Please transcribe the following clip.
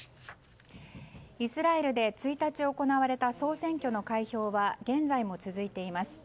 イスラエルで１日行われた総選挙の開票は現在も続いています。